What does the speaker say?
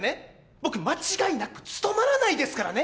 僕間違いなく務まらないですからね